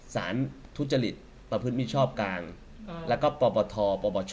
สารทุจจฤทธิ์ประพฤติมิชชอบกลางแล้วก็ปบทปบช